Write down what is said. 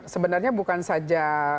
sebenarnya bukan saja